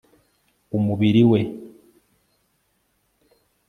umubiri we